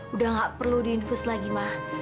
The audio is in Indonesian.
udah gak perlu diinfus lagi mah